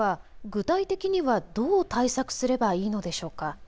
具体的にはどう対策すればいいのでしょうか。